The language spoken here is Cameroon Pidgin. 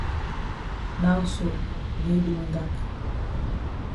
Now so day don dak.